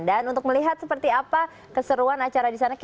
dan untuk melihat seperti apa keseruan acara di sana